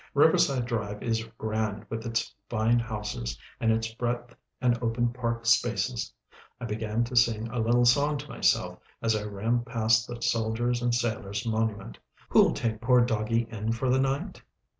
Riverside Drive is grand with its fine houses, and its breadth and open park spaces. I began to sing a little song to myself as I ran past the Soldiers' and Sailors' monument, "Who'll take poor doggie in for the night?"